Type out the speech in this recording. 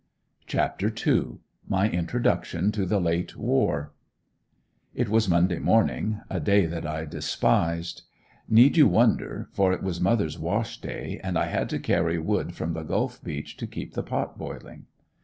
CHAPTER II. MY INTRODUCTION TO THE LATE WAR. It was Monday morning a day that I despised. Need you wonder, for it was mother's wash day and I had to carry wood from the Gulf beach to keep the "pot boiling."